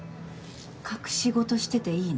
隠し事してていいの？